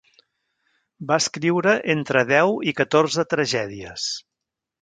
Va escriure entre deu i catorze tragèdies.